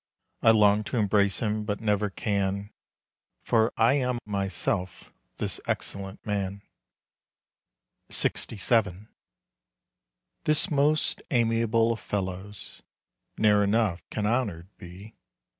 I long to embrace him, but never can, For I am myself this excellent man. LXVII. This most amiable of fellows Ne'er enough can honored be.